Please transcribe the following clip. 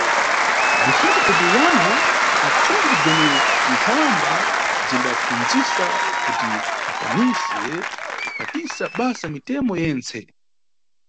Bzinʼfunika kuti wana apfundze bzomwe nkhalamba zimbapfundzisa kuti akwanise kuphatisa basa mitemo yentse.